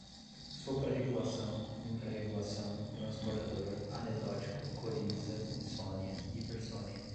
suprarregulação, infrarregulação, transportador, anedótica, coriza, insônia, hipersonia